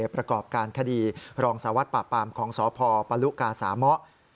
ประกอบการคดีรองสารวัตรปราบปามของสพปะลุกาสามะ